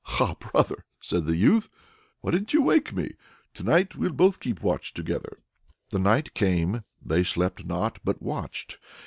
"Ah, brother!" said the youth, "why didn't you wake me? To night we'll both keep watch together." The night came; they slept not, but watched.